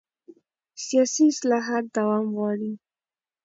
سیاسي اصلاحات دوام غواړي